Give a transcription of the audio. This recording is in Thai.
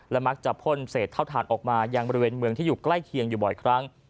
มักจะพ่นเศษเท่าฐานออกมายังบริเวณเมืองที่อยู่ใกล้เคียงอยู่บ่อยครั้ง